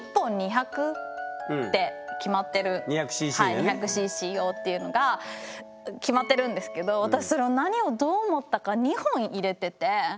２００ｃｃ用っていうのが決まってるんですけど私それを何をどう思ったか２本入れてて。